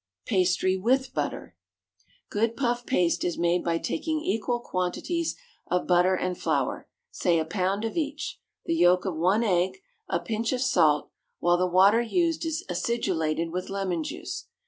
PASTRY WITH BUTTER. Good puff paste is made by taking equal quantities of butter and flour say a pound of each the yolk of one egg, a pinch of salt, while the water used is acidulated with lemon juice.